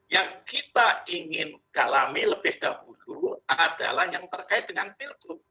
yang kita ingin dalami lebih dahulu adalah yang terkait dengan pilkup